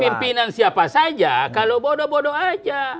pimpinan siapa saja kalau bodoh bodoh aja